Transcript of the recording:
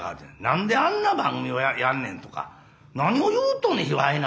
「なんであんな番組をやんねん」とか「何を言うとんねん卑猥な」とか。